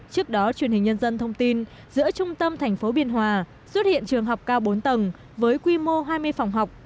trước đó truyền hình nhân dân thông tin giữa trung tâm thành phố biên hòa xuất hiện trường học cao bốn tầng với quy mô hai mươi phòng học